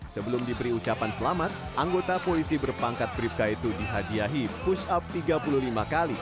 sebelum diberi ucapan selamat anggota polisi berpangkat bribka itu dihadiahi push up tiga puluh lima kali